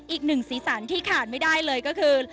อีกหนึ่งศีรษรที่ขาดไม่ได้เลยก็คือ